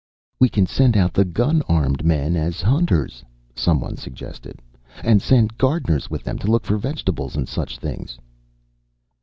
"We can send out the gun armed men as hunters," some one suggested, "and send gardeners with them to look for vegetables and such things."